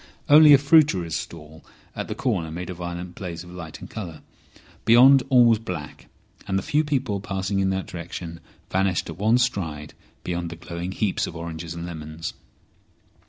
Only a fruiterer's stall at the corner made a violent blaze of light and colour. Beyond all was black, and the few people passing in that direction vanished at one stride beyond the glowing heaps of oranges and lemons.